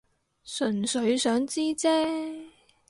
純粹想知啫